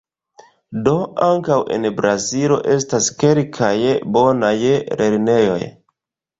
Do ankaŭ en Brazilo estas kelkaj bonaj lernejoj.